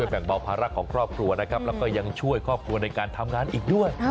แบ่งเบาภาระของครอบครัวนะครับแล้วก็ยังช่วยครอบครัวในการทำงานอีกด้วย